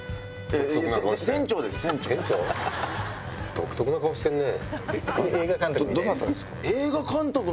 独特な顔してるね。